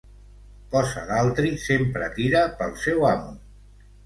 Cosa d'altri sempre tira pel seu amo.